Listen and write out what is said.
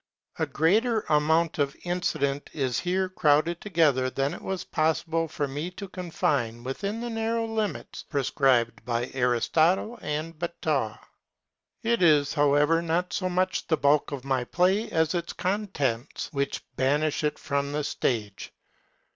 A greater amount of incident is here crowded together than it was possible for me to confine within the narrow limits prescribed by Aristotle and Batteux. It is, however, not so much the bulk of my play as its contents which banish it from the stage.